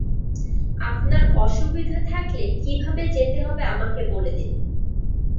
আপনার অসুবিধা থাকলে কীভাবে যেতে হবে আমাকে বলে দিন।